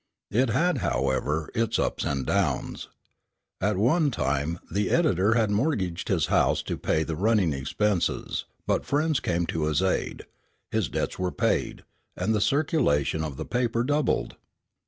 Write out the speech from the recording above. It had, however, its "ups and downs." At one time the editor had mortgaged his house to pay the running expenses; but friends came to his aid, his debts were paid, and the circulation of the paper doubled.